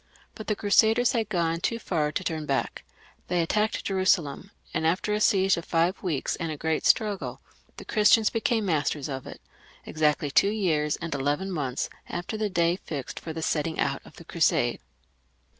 But the Crusaders had gone too far to turn back ; they attacked Jerusalem, and after a siege of five weeks and a great struggle, the Christians became masters of it, exactly two years and eleven months after the day fixed for the setting out of the Crusade.